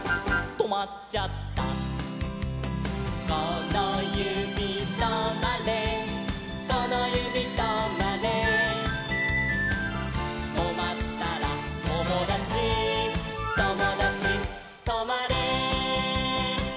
「このゆびとまれこのゆびとまれ」「とまったらともだちともだちとまれ」